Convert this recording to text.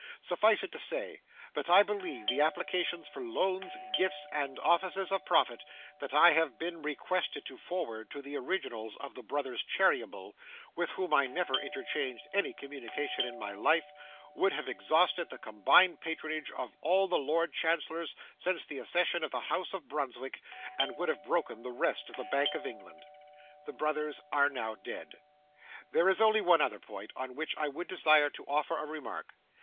Suffice it to say, that I believe the applications for loans, gifts, and offices of profit that I have been requested to forward to the originals of the BROTHERS CHEERYBLE (with whom I never interchanged any communication in my life) would have exhausted the combined patronage of all the Lord Chancellors since the accession of the House of Brunswick, and would have broken the Rest of the Bank of England. The Brothers are now dead. There is only one other point, on which I would desire to offer a remark.